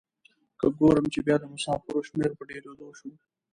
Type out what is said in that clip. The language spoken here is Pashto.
که ګورم چې بیا د مسافرو شمیر په ډیریدو شو.